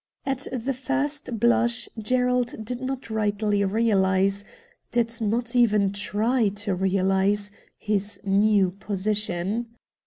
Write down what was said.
At the first blush Gerald did not rightly realise, did not even try to reaUse, his new position.